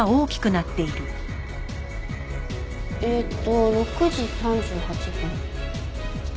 えっと６時３８分。